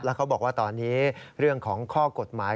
เขาบอกว่าตอนนี้เรื่องของข้อกฎหมาย